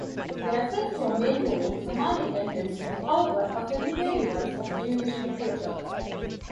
The reference to a malevolent Samaritan is, however, a familiar device of Jewish literature.